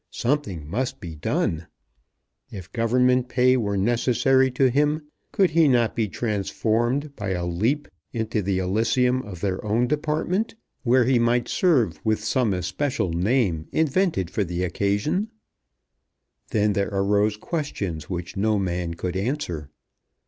Something must be done. If Government pay were necessary to him, could he not be transformed by a leap into the Elysium of their own department, where he might serve with some especial name invented for the occasion? Then there arose questions which no man could answer.